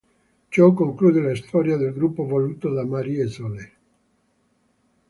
Ciò conclude la storia del gruppo voluto da Maria Sole.